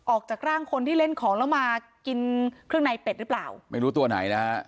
ออกจากร่างคนที่เล่นของแล้วมากินเครื่องในเป็ดหรือเปล่าไม่รู้ตัวไหนนะฮะ